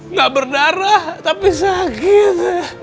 nggak berdarah tapi sakit